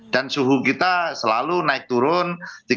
dan suhu kita selalu naik turun